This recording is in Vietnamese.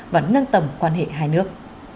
và nâng tầm quan hệ hai nước